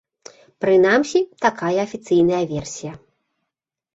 Прынамсі, такая афіцыйная версія.